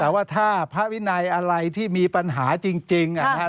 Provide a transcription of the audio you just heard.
แต่ว่าถ้าพระวินัยอะไรที่มีปัญหาจริงนะครับ